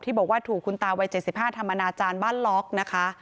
บอกว่าถูกคุณตาวัย๗๕ทำอนาจารย์บ้านล็อกนะคะ